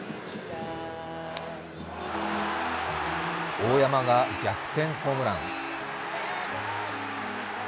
大山が逆転ホームラン。